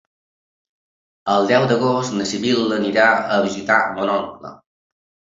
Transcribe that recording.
El deu d'agost na Sibil·la anirà a visitar mon oncle.